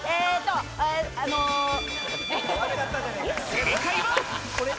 正解は？